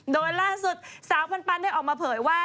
โดยล่าสุดสาวปันได้ออกมาเผยว่า